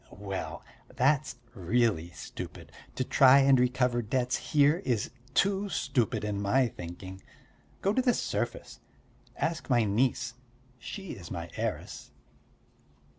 "Well, that's really stupid; to try and recover debts here is too stupid, to my thinking! Go to the surface. Ask my niece she is my heiress."